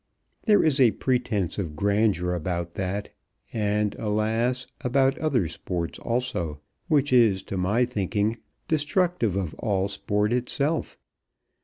There is a pretence of grandeur about that and, alas, about other sports also, which is, to my thinking, destructive of all sport itself.